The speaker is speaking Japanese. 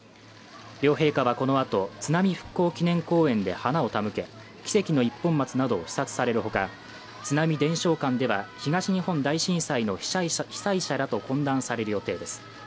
両陛下はこの後、津波復興祈念公園で花を手向け奇跡の一本松などを視察される他、津波伝承館では、東日本大震災の被災者被災者らと懇談される予定です。